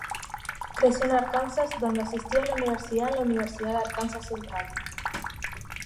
Creció en Arkansas, donde asistió a la universidad en la Universidad de Arkansas Central.